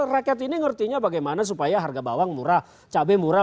rakyat ini ngertinya bagaimana supaya harga bawang murah cabai murah